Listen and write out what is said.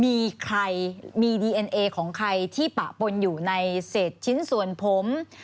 มีใครมีดีเอ็นเอของใครที่ปะปนอยู่ในเศษชิ้นส่วนผม